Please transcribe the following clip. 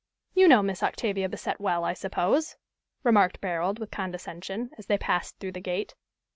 "You know Miss Octavia Bassett well, I suppose," remarked Barold, with condescension, as they passed through the gate.